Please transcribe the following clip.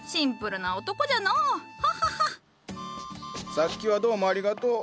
さっきはどうもありがとう。